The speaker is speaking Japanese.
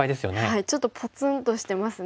はいちょっとポツンとしてますね。